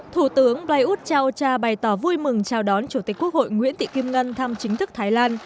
thủ tướng prayuth chao cha bày tỏ vui mừng chào đón chủ tịch quốc hội nguyễn thị kim ngân thăm chính thức thái lan